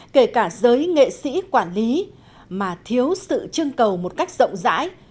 kể cả giới nghệ sĩ quản lý mà thiếu sự chương cầu một cách rộng rãi